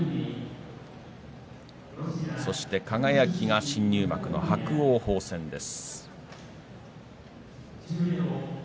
そして、輝が新入幕の伯桜鵬戦です。